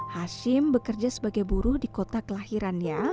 hashim bekerja sebagai buruh di kota kelahirannya